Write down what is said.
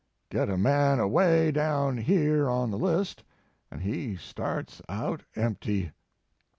Get a man away down here on the list, and he starts out empty.